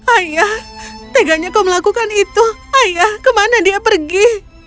ayah teganya kau melakukan itu ayah kemana dia pergi